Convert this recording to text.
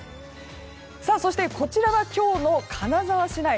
そして、こちらは今日の金沢市内。